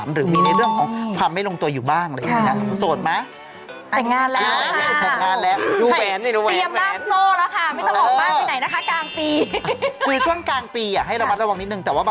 หรือมีในเรื่องของความไม่ลงตัวอยู่บ้างเลยนะครับ